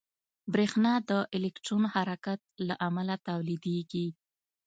برېښنا د الکترون حرکت له امله تولیدېږي.